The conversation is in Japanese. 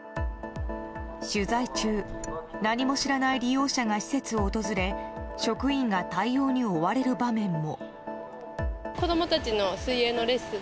取材中、何も知らない利用者が施設を訪れ職員が対応に追われる場面も。